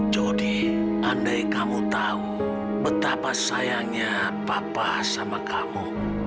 jody andai kamu tahu betapa sayangnya bapak sama kamu